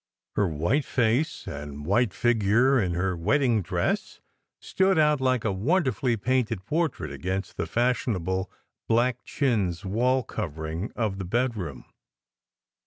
Her white face and white figure in her wedding dress stood out like a wonderfully painted portrait against the fashion able black chintz wall covering of the bedroom.